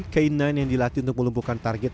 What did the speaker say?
k sembilan yang dilatih untuk melumpuhkan target